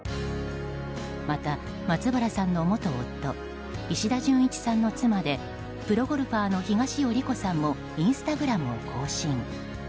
また、松原さんの元夫石田純一さんの妻でプロゴルファーの東尾理子さんもインスタグラムを更新。